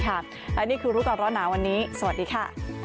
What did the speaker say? และนี่คือรู้ก่อนร้อนหนาวันนี้สวัสดีค่ะ